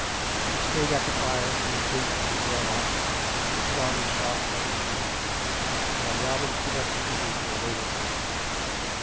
He stayed at the fire for his boots to be drawn off and to put on his soft leather shoes, while Robin stood up dutifully to await him.